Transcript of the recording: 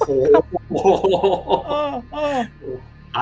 โอ้โห